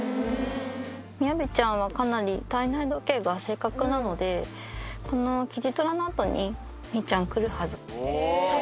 みやびちゃんはかなり体内時計が正確なので、このキジトラのあとに、みーちゃん来るはず。